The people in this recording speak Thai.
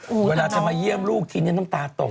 เวลาจะมาเยี่ยมลูกทีนี้น้ำตาตก